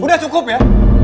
udah cukup ya